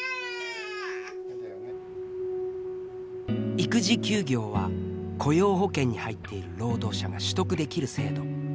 育児休業は雇用保険に入っている労働者が取得できる制度。